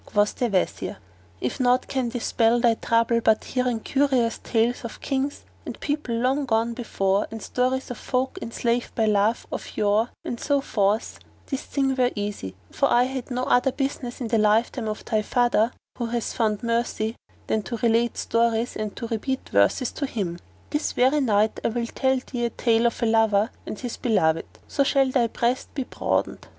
Quoth the Wazir, "If naught can dispel thy trouble but hearing curious tales of Kings and people long gone before and stories of folk enslaved by love of yore, and so forth, this thing were easy, for I had no other business, in the lifetime of thy father (who hath found mercy) than to relate stories and to repeat verses to him. This very night I will tell thee a tale of a lover and his beloved, so shall thy breast be broadened."